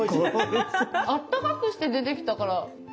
あったかくして出てきたからてっきり。